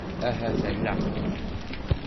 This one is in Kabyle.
Ahat ala.